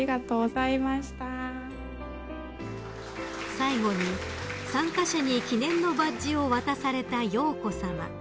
［最後に参加者に記念のバッジを渡された瑶子さま］